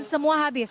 dan semua habis